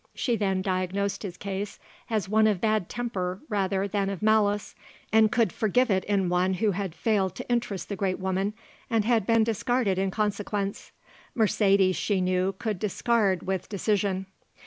She then diagnosed his case as one of bad temper rather than of malice, and could forgive it in one who had failed to interest the great woman and been discarded in consequence; Mercedes, she knew, could discard with decision.